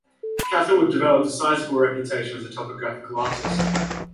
Catherwood developed a sizeable reputation as a topographical artist.